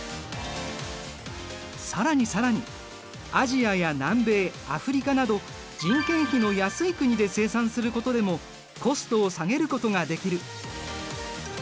更に更にアジアや南米アフリカなど人件費の安い国で生産することでもコストを下げることができる。